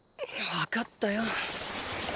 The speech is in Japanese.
わかったよ。